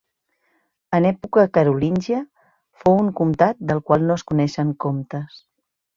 En època carolíngia fou un comtat del qual no es coneixen comtes.